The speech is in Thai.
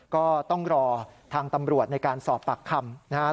ก็ต้องรอทางตำรวจในการสอบปากคำนะครับ